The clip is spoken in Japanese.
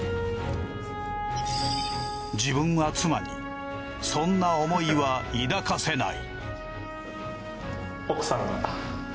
自分は妻にそんな思いは抱かせない。